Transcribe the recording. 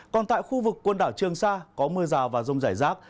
còn tại khu vực quần đảo trường sa có mưa rào và rông rải rác